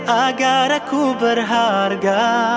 agar aku berharga